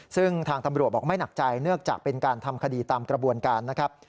ซึ่งทางตำรวจบอกไม่หนักใจเนื่องจากเป็นการทำคดีตามกระบวนการนะครับ